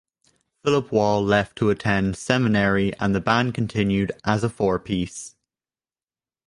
Phillip Wall left to attend seminary and the band continued as a four-piece.